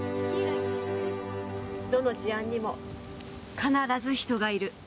どの事案にも必ず人がいる。